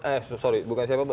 eh sorry bukan siapa